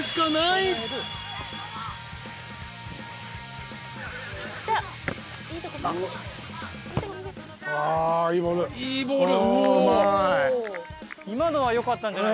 いいボール。